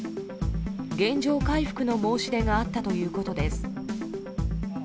原状回復の申し出があったということです。